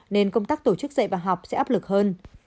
nên công tác tổ chức dạy và học sẽ áp lực hơn